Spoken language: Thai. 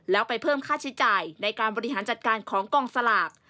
แล้วไปเพิ่มค่าใช้จ่ายในการบริหารจัดการของกองสลาก